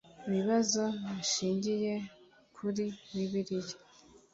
ibibazo bishingiye kuri bibiliya